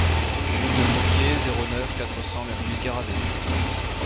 Route de Croquié, zéro neuf, quatre cents Mercus-Garrabet